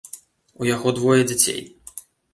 У яго двое дзяцей.